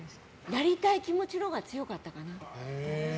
やりたい気持ちのほうが強かったかな。